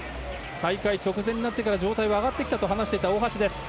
開会直前になってから状態は上がってきたと話した大橋です。